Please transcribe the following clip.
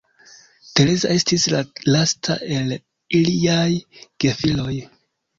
Tereza estis la lasta el iliaj gefiloj.